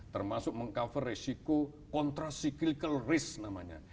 termasuk meng cover risiko kontra cyclical risk namanya